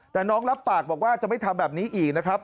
แต่น้องรับปากบอกว่าจะไม่ทำแบบนี้อีกนะครับ